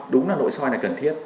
đúng là nội soi là cần thiết